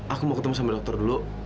aku mau ketemu sama dokter dulu